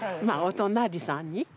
まあお隣さんに。